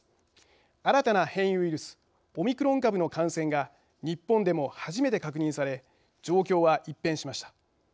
新たな変異ウイルスオミクロン株の感染が日本でも初めて確認され状況は一変しました。